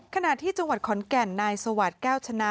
ขณะที่จังหวัดขอนแก่นนายสวัสดิ์แก้วชนะ